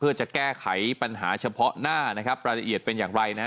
เพื่อจะแก้ไขปัญหาเฉพาะหน้านะครับรายละเอียดเป็นอย่างไรนะฮะ